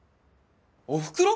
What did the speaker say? おふくろ！？